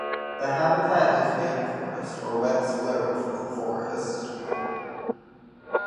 The habitat is rainforest or wet sclerophyll forest.